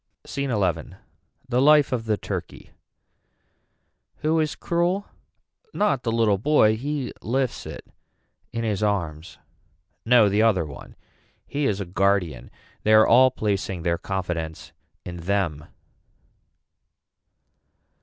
SCENE XI. The life of the turkey. Who is cruel. Not the little boy he lifts it in his arms. No the other one. He is a guardian. They are all placing their confidence in them.